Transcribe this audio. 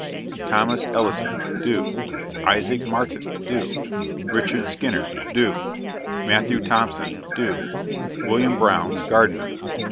THOMAS ELLISON } do. ISAAC MARTIN } do. RICHARD SKINNER } do. MATTHEW THOMPSON } do. WILLIAM BROWN Gardener.